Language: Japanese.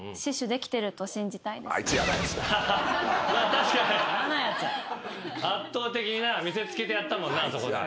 確かに圧倒的にな見せつけてやったもんな。